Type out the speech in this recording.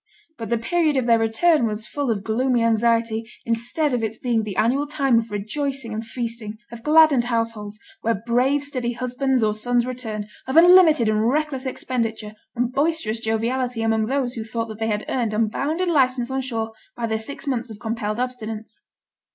But the period of their return was full of gloomy anxiety, instead of its being the annual time of rejoicing and feasting; of gladdened households, where brave steady husbands or sons returned; of unlimited and reckless expenditure, and boisterous joviality among those who thought that they had earned unbounded licence on shore by their six months of compelled abstinence.